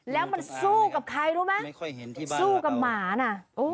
แล้วมันสู้กับใครรู้ไหมสู้กับหมานะ